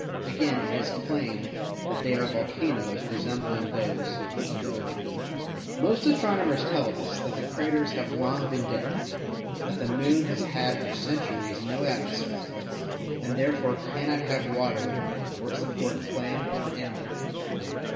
Again it is claimed that they are volcanoes resem bling those of the Earth. Most astronomers tell us that the craters have long been dead, that the Moon has had for centuries no atmos phere and therefore cannot have water or support plant or animal life.